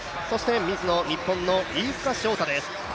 ミズノ、日本の飯塚翔太です